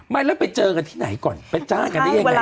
ไม่แล้วไปเจอกันที่ไหนก่อนไปจ้างกันได้ยังไง